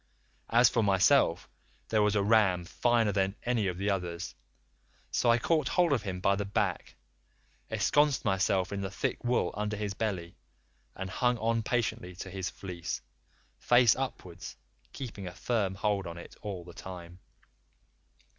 As for myself there was a ram finer than any of the others, so I caught hold of him by the back, esconced myself in the thick wool under his belly, and hung on patiently to his fleece, face upwards, keeping a firm hold on it all the time.